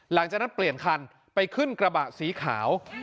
หลังจากนั้นเปลี่ยนคันไปขึ้นกระบะสีขาว